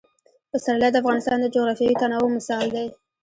پسرلی د افغانستان د جغرافیوي تنوع مثال دی.